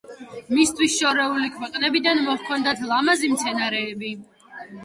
მისთვის შორეული ქვეყნებიდან მოჰქონდათ ლამაზი მცენარეები.